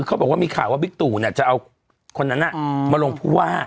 เขาบอกว่ามีข่าวว่าบิ๊กตู่จะเอาคนนั้นมาลงผู้ว่า